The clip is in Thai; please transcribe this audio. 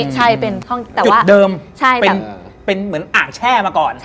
จุดเดิมเป็นเหมือนอ่างแช่มาก่อน